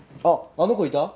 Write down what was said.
あの子いた？